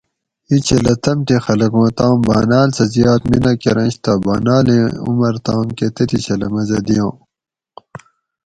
ایچھلہ تم تھیں خلک اُوں تم باۤناۤل سہ زیات مینہ کرنش تہ باۤناۤلیں عمر تام کہ تتھیں چھلہ مزہ دیاں